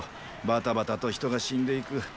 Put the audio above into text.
バタバタと人が死んでいく。